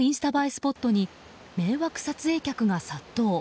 スポットに迷惑撮影客が殺到。